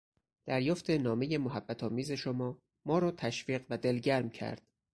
دریافت نامهٔ محبت آمیز شما ما را تشویق و دلگرم کرد.